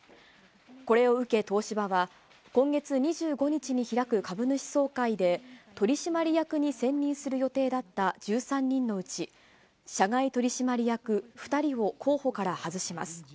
これを受け東芝は、今月２５日に開く株主総会で、取締役に選任する予定だった１３人のうち、社外取締役２人を候補から外します。